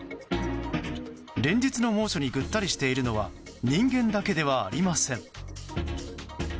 連日の猛暑にぐったりしているのは人間だけではありません。